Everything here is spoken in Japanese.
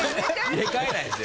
入れ替えないです。